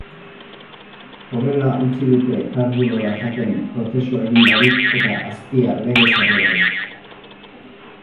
Horrela utzi dute kardulora jaten prozesua egin barik eta aztia legez erre barik.